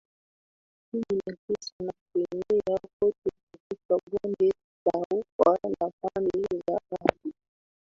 kumi na tisa na kuenea kote katika Bonde la Ufa na pande za ardhi